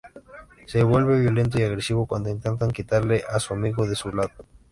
Se vuelve violento y agresivo cuando intentan quitarle a su amigo de su lado.